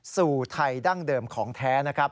สู่ไทยดั้งเดิมของแท้นะครับ